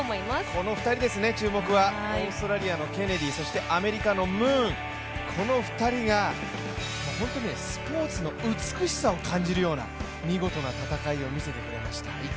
この２人ですね、注目は、オーストラリアのケネディ、そしてアメリカのムーン、この２人が本当にスポーツの美しさを感じるような見事な戦いを見せてくれました。